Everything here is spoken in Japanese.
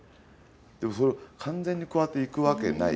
でも、それ完全にこうやっていくわけない。